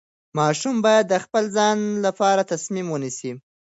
ماشوم باید د خپل ځان لپاره تصمیم ونیسي.